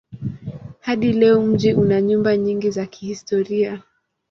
Hadi leo mji una nyumba nyingi za kihistoria.